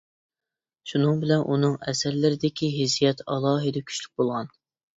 شۇنىڭ بىلەن ئۇنىڭ ئەسەرلىرىدىكى ھېسسىيات ئالاھىدە كۈچلۈك بولغان.